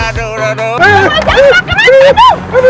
gara gara anak kamu